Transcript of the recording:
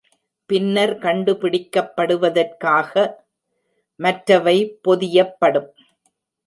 பின்னர் கண்டுபிடிக்கப்படுவதற்காக மற்றவை பொதியப்படும்.